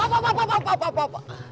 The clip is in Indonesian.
bapak bapak bapak bapak bapak bapak